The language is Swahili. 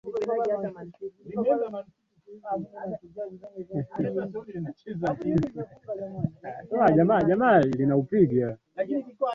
Elimu ya Upili aliisoma kati ya mwaka elfu moja mia tisa sabini na tatu